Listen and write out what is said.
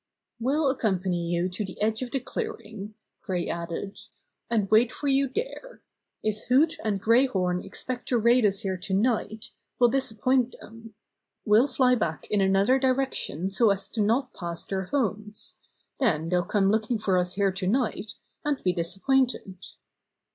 "We'll accompany you to the edge of the clearing," Gray added, "and wait for you there. If Hoot and Great Horn expect to Bobby Induces the Birds to Return 125 raid us here tonight, we'll disappoint them. We'll fly back in another direction so as not to pass their homes. Then they'll come looking for us here tonight, and be disappointed."